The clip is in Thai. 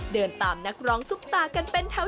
เดินตามนักร้องซุปตากันเป็นแถว